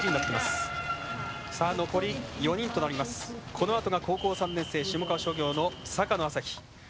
このあとが高校３年生下川商業の坂野旭飛。